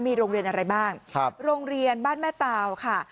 มีโรงเรียนอะไรบ้างครับโรงเรียนบ้านแม่ตาวค่ะ